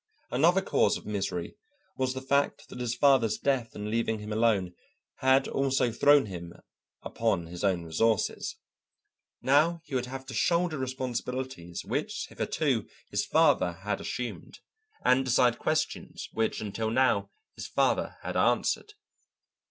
Another cause of misery was the fact that his father's death in leaving him alone had also thrown him upon his own resources. Now he would have to shoulder responsibilities which hitherto his father had assumed, and decide questions which until now his father had answered.